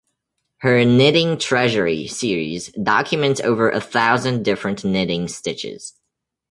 Her Knitting Treasury series documents over a thousand different knitting stitches.